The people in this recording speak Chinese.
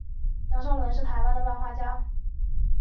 杨邵伦是台湾的漫画家。